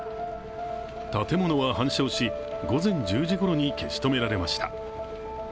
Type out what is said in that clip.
建物は半焼し、午前１０時ごろに消し止められました。